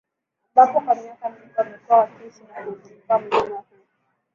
Ambapo kwa miaka mingi wamekuwa wakiishi na kuuzunguka mlima huu